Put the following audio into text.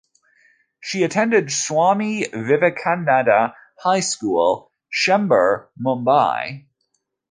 She attended Swami Vivekananda High School, Chembur, Mumbai.